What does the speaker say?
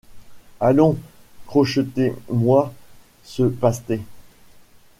Allons! crochetez-moy ce pasté !